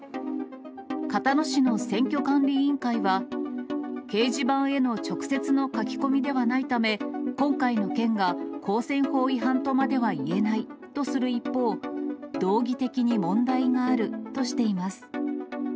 交野市の選挙管理委員会は、掲示板への直接の書き込みではないため、今回の件が公選法違反とまではいえないとする一方、道義的に問題があるとしています。